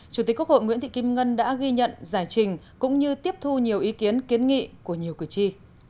chủ tịch quốc hội nguyễn thị kim ngân đã ghi nhận giải trình cũng như tiếp thu nhiều ý kiến kiến nghị của nhiều cử tri